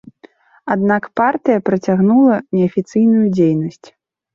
Аднак партыя працягнула неафіцыйную дзейнасць.